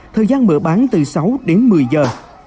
thời gian mở bán từ sáu đến một mươi giờ